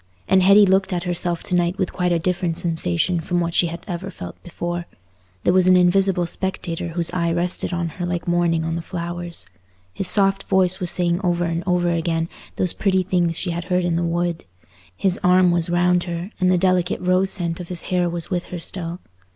And Hetty looked at herself to night with quite a different sensation from what she had ever felt before; there was an invisible spectator whose eye rested on her like morning on the flowers. His soft voice was saying over and over again those pretty things she had heard in the wood; his arm was round her, and the delicate rose scent of his hair was with her still.